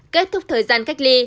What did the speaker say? kết thúc thời gian cách ly